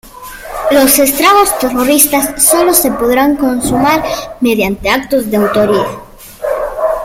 Los estragos terroristas sólo se podrán consumar mediante actos de autoría.